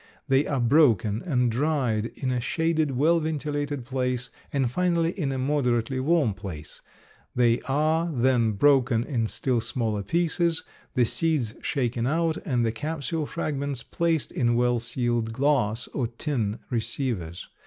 They are broken and dried in a shaded, well ventilated place, and finally in a moderately warm place; they are then broken in still smaller pieces, the seeds shaken out and the capsule fragments placed in well sealed glass or tin receivers.